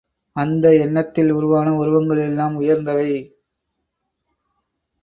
அந்த எண்ணத்தில் உருவான உருவங்கள் எல்லாம் உயர்ந்தவை.